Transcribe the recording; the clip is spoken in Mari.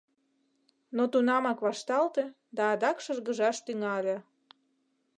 Но тунамак вашталте да адак шыргыжаш тӱҥале.